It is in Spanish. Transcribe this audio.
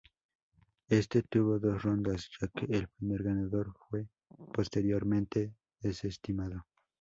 Este tuvo dos rondas ya que el primer ganador fue posteriormente desestimado.